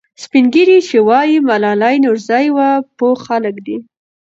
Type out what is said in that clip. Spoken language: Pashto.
سپین ږیري چې وایي ملالۍ نورزۍ وه، پوه خلک دي.